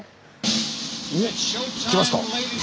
おっ来ました。